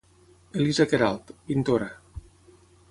Elisa Queralt, pintora.